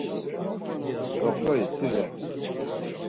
Doxtori si re.